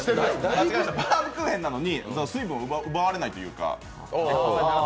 間違えました、バウムクーヘンなのに水分を奪われないというか。